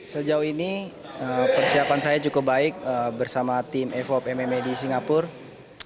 sejauh ini persiapan saya cukup baik bersama tim evop mma di singapura